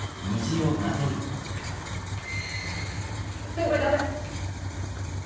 先輩ダメ！